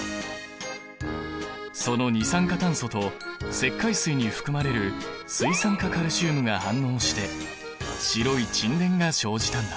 その二酸化炭素と石灰水に含まれる水酸化カルシウムが反応して白い沈殿が生じたんだ。